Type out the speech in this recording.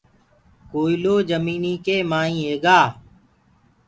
ڪوئلو جميٚنيٚ ڪي مآئينٚ هيگآ